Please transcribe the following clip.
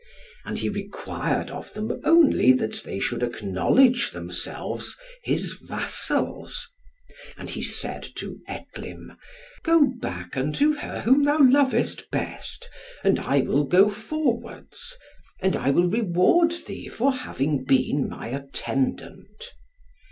And he required of them only that they should acknowledge themselves his vassals. And he said to Etlym, "Go back unto her whom thou lovest best, and I will go forwards, and I will reward thee for having been my attendant."